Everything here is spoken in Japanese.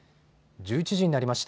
１１時になりました。